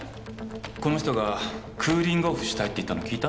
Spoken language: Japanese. この人がクーリングオフしたいって言ったの聞いた？